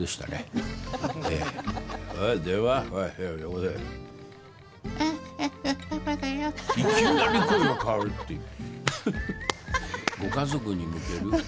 まあ１ついきなり声が変わるっていう。